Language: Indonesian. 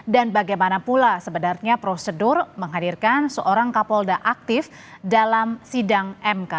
dan bagaimana pula sebenarnya prosedur menghadirkan seorang kapolda aktif dalam sidang mk